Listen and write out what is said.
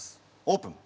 オープン！